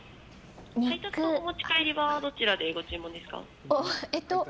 配達とお持ち帰りはどちらでご注文でしょうか。